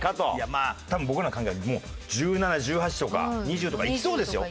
まあ多分僕らの考え１７１８とか２０とかいきそうですよ。